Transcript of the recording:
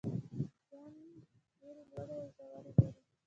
ژوند ډېري لوړي او ژوري لري.